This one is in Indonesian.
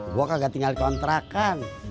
gue kagak tinggal kontrakan